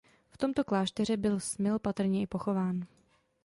V tomto klášteře byl Smil patrně i pochován.